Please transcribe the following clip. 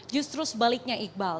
justru sebaliknya iqbal